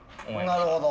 なるほど。